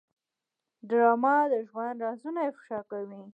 ډرامه د ژوند رازونه افشا کوي